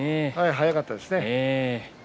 速かったですね。